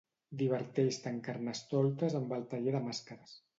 Diverteix-te en Carnestoltes amb el taller de màscares.